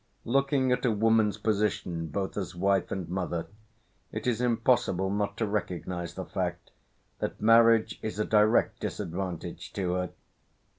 Looking at a woman's position both as wife and mother, it is impossible not to recognise the fact that marriage is a direct disadvantage to her.